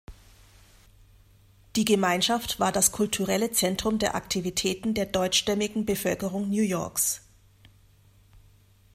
Die Gemeinschaft war das kulturelle Zentrum der Aktivitäten der deutschstämmigen Bevölkerung New Yorks.